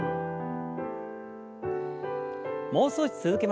もう少し続けましょう。